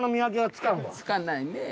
つかないねぇ。